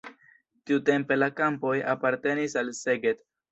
Tiutempe la kampoj apartenis al Szeged.